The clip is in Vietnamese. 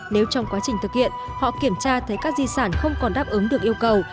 nếu trong quá trình thực hiện họ kiểm tra thấy các di sản không còn đáp ứng được yêu cầu